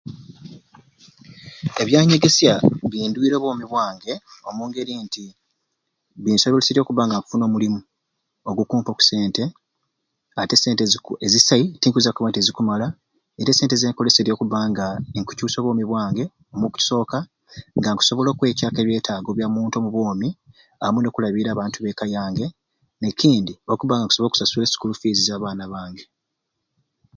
Ebyanyegesya biyindwire obwomi bwange omu ngeri nti binsoboleserye okubba nga nkufuna omulimu ogukumpa oku sente ate esente eziku... ezisai tinkwiza kukoba nti ezikumala yete esente zenkoleserye okubba nga nkucuusa obwomi bwange omu kusooka nga nkusobola okweikyaku ebyetaago bya muntu omu bwomi amwei n'okulabiira abantu ab'eka yange n'ekindi okusobola okubba nga nkusobola okusasula esukuulu fiizi z'abaana bange.